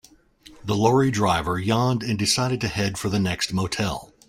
The lorry driver yawned and decided to head for the next motel.